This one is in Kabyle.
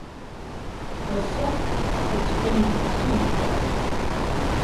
Ass-a, ad teqqimem deg sin deg uxxam.